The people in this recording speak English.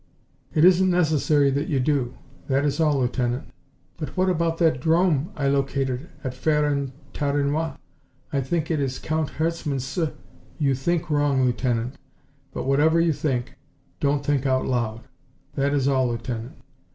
"It isn't necessary that you do. That is all, Lieutenant." "But what about that 'drome I located at Fere en Tardenois? I think it is Count von Herzmann's Cir " "You think wrong, McGee, but whatever you think, don't think out loud. That is all, Lieutenant."